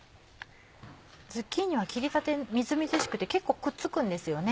ズッキーニは切りたてみずみずしくて結構くっつくんですよね。